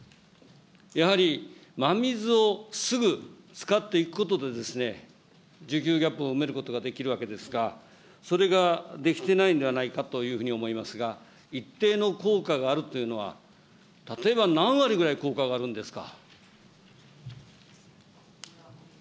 やはり真水をすぐ使っていくことで、需給ギャップを埋めることができるわけですが、それができてないんではないかというふうに思いますが、一定の効果があるというのは、例えば何割ぐらい効果があるんですか。